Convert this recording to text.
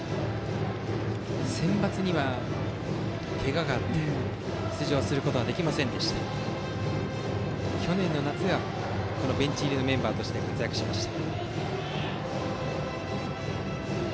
センバツは、けががあって出場できませんでしたが去年の夏はベンチ入りのメンバーとして活躍しました。